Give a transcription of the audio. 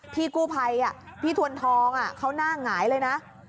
พี่กู้ภัยพี่ทวนทองเขาหน้าหงายเลยนะ